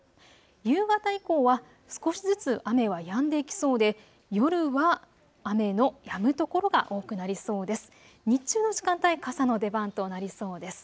夕方以降は少しずつ雨はやんでいきそうで夜は雨のやむ所が多くなりそうです。